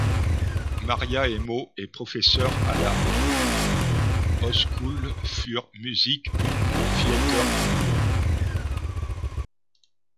Maria Emo est professeur à la Hochschule für Musik und Theater Hamburg.